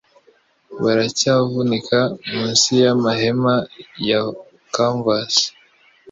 Biracyavunika munsi y'amahema ya canvas